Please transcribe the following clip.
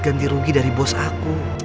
ganti rugi dari bos aku